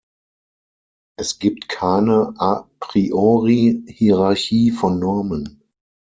Es gibt keine a priori -Hierarchie von Normen.